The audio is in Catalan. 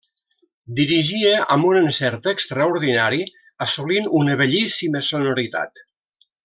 Dirigia amb un encert extraordinari, assolint una bellíssima sonoritat.